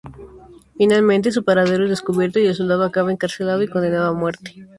Finalmente, su paradero es descubierto y el soldado acaba encarcelado y condenado a muerte.